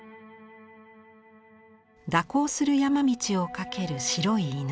蛇行する山道を駆ける白い犬。